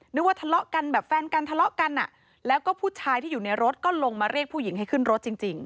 นึกว่าทะเลาะกันแบบแฟนกันทะเลาะกันอ่ะแล้วก็ผู้ชายที่อยู่ในรถก็ลงมาเรียกผู้หญิงให้ขึ้นรถจริง